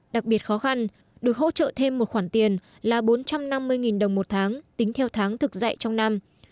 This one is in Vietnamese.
đặc biệt khó khăn được hỗ trợ thêm một khoản tiền là bốn trăm năm mươi đồng một tháng tính theo tháng thực dạy trong năm